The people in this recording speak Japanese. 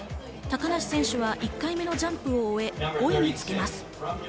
高梨選手は１回目のジャンプを終え、５位につけます。